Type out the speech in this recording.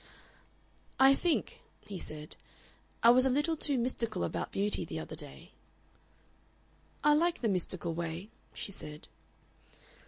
"I think," he said, "I was a little too mystical about beauty the other day." "I like the mystical way," she said.